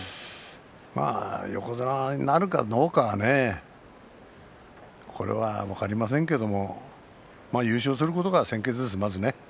横綱になるかどうかはこれは分かりませんけれど優勝することが先決です、まずね。